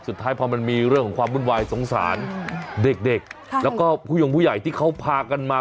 สุดท้ายพอมันมีเรื่องของความวุ่นวายสงสารเด็กแล้วก็ผู้ยงผู้ใหญ่ที่เขาพากันมา